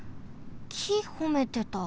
きほめてた。